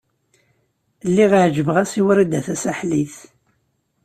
Lliɣ ɛejbeɣ-as i Wrida Tasaḥlit.